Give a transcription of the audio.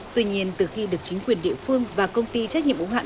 tuy nhiên từ khi được chính quyền địa phương và công ty trách nhiệm ủng hạn